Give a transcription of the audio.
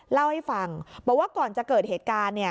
เล่าให้ฟังบอกว่าก่อนจะเกิดเหตุการณ์